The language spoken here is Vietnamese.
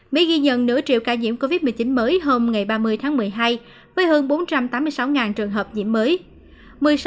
mỹ ghi nhận nửa triệu ca nhiễm covid một mươi chín mới hôm ba mươi tháng một mươi hai với hơn bốn trăm tám mươi sáu trường hợp nhiễm mới